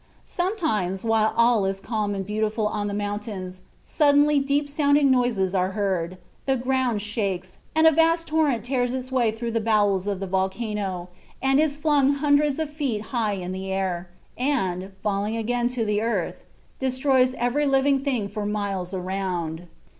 Sometimes, while all is calm and beautiful on the mountains, suddenly deep sounding noises are heard, the ground shakes, and a vast torrent tears its way through the bowels of the volcano, and is flung hundreds of feet high in the air, and, falling again to the earth, destroys every living thing for miles around.